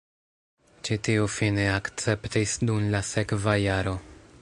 Ĉi tiu fine akceptis dum la sekva jaro.